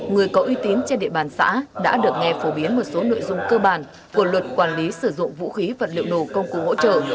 người có uy tín trên địa bàn xã đã được nghe phổ biến một số nội dung cơ bản của luật quản lý sử dụng vũ khí vật liệu nổ công cụ hỗ trợ